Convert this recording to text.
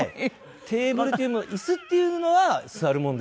テーブルというもの椅子っていうのは座るものですね